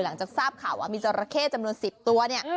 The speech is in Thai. หลังจากทราบข่าวว่ามีจราเข้จำนวน๑๐ตัวเนี่ย